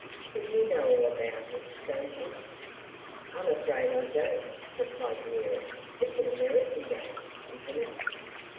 But you know all about it, don't you?" "I'm afraid I don't," replied the Earl. "It's an American game, isn't it?